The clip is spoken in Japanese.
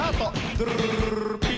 ドゥルルルルルルピッ！